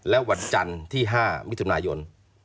และวันจันทร์ที่๕มิถุนายน